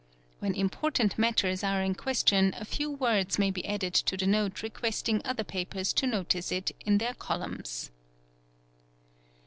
When important matters are in question a few words may be added to the note requesting _ other papers to notice it in their columns.